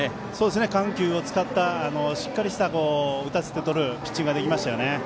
緩急を使ったしっかりした打たせてとるピッチングができましたね。